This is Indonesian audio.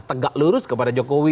tegak lurus kepada jokowi